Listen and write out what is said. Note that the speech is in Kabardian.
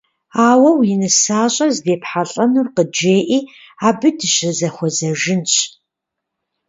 Ауэ нысащӏэр здепхьэлӀэнур къыджеӀи, абы дыщызэхуэзэжынщ.